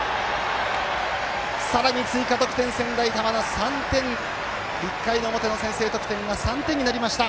さらに追加得点、専大松戸１回表の先制得点が３点になりました。